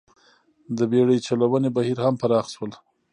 د بېړۍ چلونې بهیر هم پراخ شول.